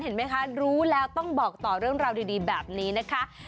เห็นไหมคะรู้แล้วต้องบอกต่อเรื่องราวดีแบบนี้นะคะ